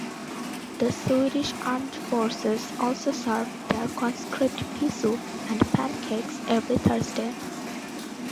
The Swedish Armed Forces also serve their conscripts pea soup and pancakes every Thursday.